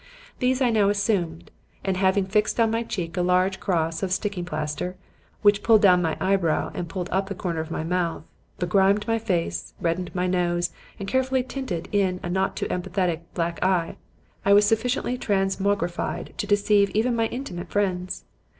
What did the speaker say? These I now assumed; and having fixed on my cheek a large cross of sticking plaster which pulled down my eyebrow and pulled up the corner of my mouth begrimed my face, reddened my nose, and carefully tinted in a not too emphatic black eye, I was sufficiently transmogrified to deceive even my intimate friends.